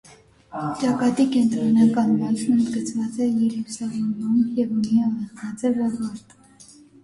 Ճակատի կենտրոնական մասն ընդգծված է ելուստավորմամբ և ունի աղեղնաձև ավարտ։